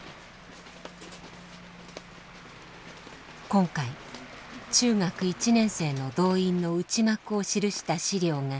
今回中学１年生の動員の内幕を記した資料が見つかりました。